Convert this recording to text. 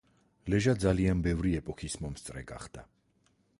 ლეჟა ძალიან ბევრი ეპოქის მომსწრე გახდა.